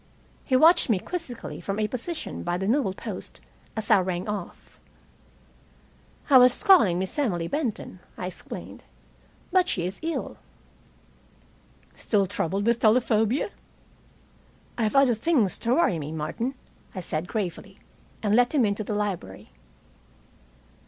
He watched me quizzically from a position by the newelpost, as I rang off. "I was calling Miss Emily Benton," I explained, "but she is ill." "Still troubled with telephobia?" "I have other things to worry me, Martin," I said gravely, and let him into the library.